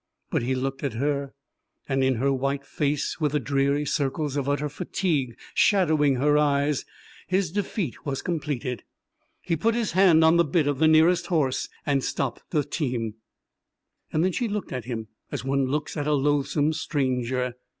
But he looked at her, and in her white face, with the dreary circles of utter fatigue shadowing her eyes, his defeat was completed. He put his hand on the bit of the nearest horse and stopped the team. Then she looked at him, as one looks at a loathsome stranger.